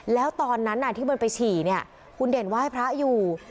แล้วตอนนั้นที่มันไปฉี่เนี่ยคุณเด่นว่าให้พระอยู่